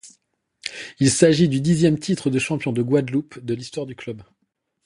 Il s’agit du dixième titre de champion de Guadeloupe de l'histoire du club.